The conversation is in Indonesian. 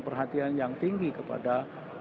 perhatian yang tinggi kepada